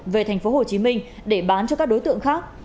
về tp hcm để bán cho các đối tượng khác